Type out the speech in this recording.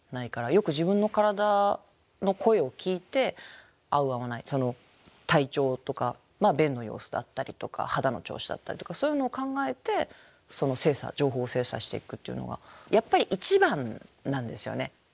よく自分の体の声を聞いて合う合わない体調とか便の様子だったりとか肌の調子だったりとかそういうのを考えて情報精査していくっていうのがやっぱり一番なんですよね。